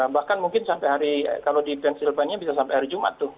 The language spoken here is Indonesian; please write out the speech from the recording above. bahkan mungkin sampai hari kalau di pens silvania bisa sampai hari jumat tuh